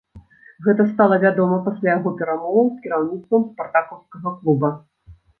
Гэта стала вядома пасля яго перамоваў з кіраўніцтвам спартакаўскага клуба.